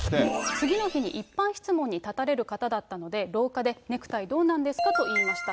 次の日に一般質問に立たれる方だったので、廊下でネクタイどうなんですかと言いました。